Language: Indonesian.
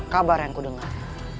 kabar yang kudengar